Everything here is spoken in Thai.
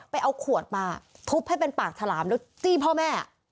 เอาขวดมาทุบให้เป็นปากฉลามแล้วจี้พ่อแม่